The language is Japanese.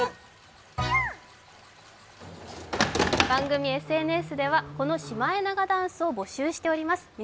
番組ＳＮＳではこのシマエナガダンスを募集しています。